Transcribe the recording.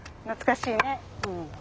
懐かしいね。